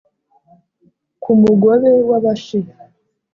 ku mugobe w’abashi